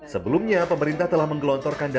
sebelumnya pemerintah telah menggelongkannya